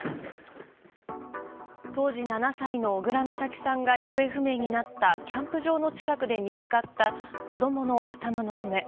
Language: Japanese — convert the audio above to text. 当時７歳の小倉美咲さんが行方不明になったキャンプ場の近くで見つかった子供の頭の骨。